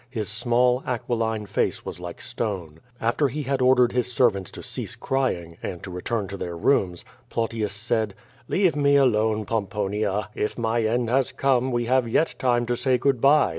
His small, aquiline face was like stone. After he had ordered his sen'ants to cease crying, and to return to their rooms, Plautius said, "I^ave me alone, Pomi)oma. If my end has come, we have yet time to say good by."